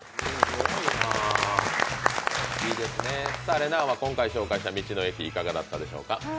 れなぁは今回紹介した道の駅、いかがだったでしょうか？